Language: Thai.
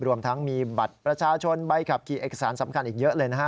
รวมทั้งมีบัตรประชาชนใบขับขี่เอกสารสำคัญอีกเยอะเลยนะฮะ